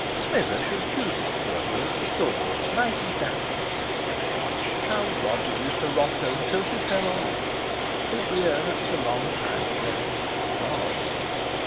Smither should choose it for her at the stores, nice and dappled. Ah! how Roger used to rock her until she fell off! Oh dear! that was a long time ago! It _was!